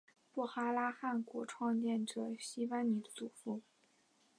布哈拉汗国创建者昔班尼的祖父。